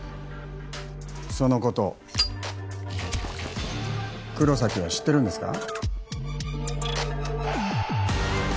そのこと黒崎は知ってるんですか？